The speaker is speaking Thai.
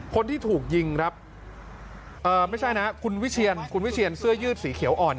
คนที่ถูกยิงครับไม่ใช่นะคุณวิเชียรเสื้อยืดสีเขียวอ่อน